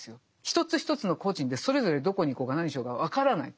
一つ一つの個人でそれぞれどこに行こうが何しようが分からない。